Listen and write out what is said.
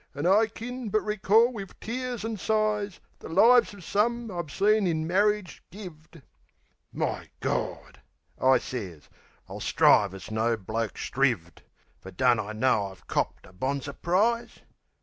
An' I kin but recall wiv tears an' sighs The lives of some I've seen in marridge gived." "My Gawd!" I sez. "I'll strive as no bloke strivved! Fer don't I know I've copped a bonzer prize?"